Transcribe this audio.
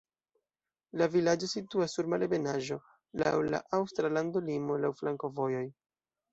La vilaĝo situas sur malebenaĵo, laŭ la aŭstra landolimo, laŭ flankovojoj.